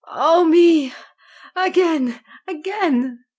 Oh me! again, again!